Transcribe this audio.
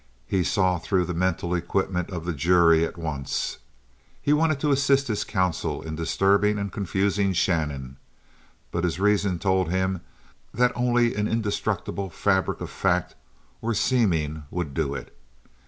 He saw through the mental equipment of the jury at once. He wanted to assist his counsel in disturbing and confusing Shannon, but his reason told him that only an indestructible fabric of fact or seeming would do it.